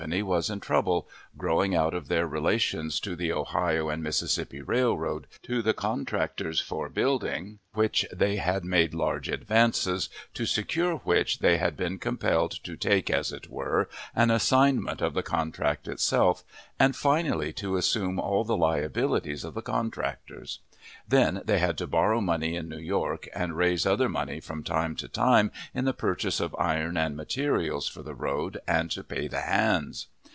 was in trouble, growing out of their relations to the Ohio & Mississippi Railroad, to the contractors for building which they had made large advances, to secure which they had been compelled to take, as it were, an assignment of the contract itself, and finally to assume all the liabilities of the contractors. Then they had to borrow money in New York, and raise other money from time to time, in the purchase of iron and materials for the road, and to pay the hands.